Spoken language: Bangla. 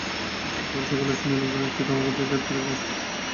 গতকাল সকালে স্থানীয় লোকজন একটি তামাকখেতের পাশে লাশটি পড়ে থাকতে দেখে।